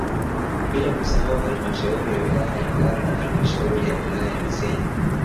Bila kusahau halmashauri ya wilaya ya Ngara na halmashauri ya wilaya ya Misenyi